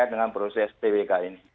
dengan proses pwk ini